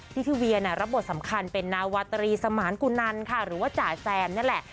ที่พี่เวียรับบทสำคัญเป็นนาวาตรีสมานกุนันค่ะหรือว่าจ่าแซมนั่นแหละ